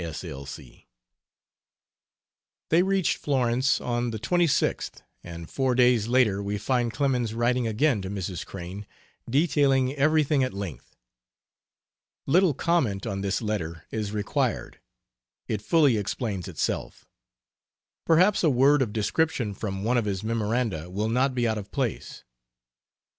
S. L. C. They reached Florence on the 26th, and four days later we find Clemens writing again to Mrs. Crane, detailing everything at length. Little comment on this letter is required; it fully explains itself. Perhaps a word of description from one of his memoranda will not be out of place.